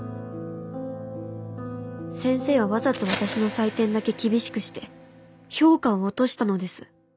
先生はわざと私の採点だけ厳しくして評価を落としたのです。